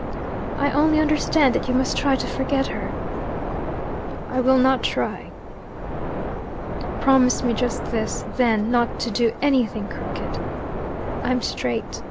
"I only understand that you must try to forget her." "I will not try." "Promise me just this, then not to do anything crooked." "I'm straight.